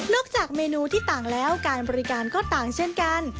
จากเมนูที่ต่างแล้วการบริการก็ต่างเช่นกัน